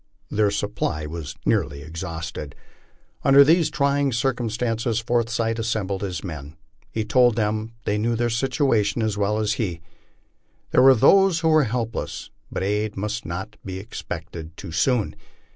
Their supply was nearly exhausted. Under these trying circumstances Forsyth assembled his men. He told them " they knew their situation as well as he. There were those who were helpless, but aid must not be expected too soon.